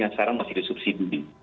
yang sekarang masih di subsidi